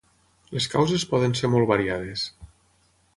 Les causes poden ser molt variades.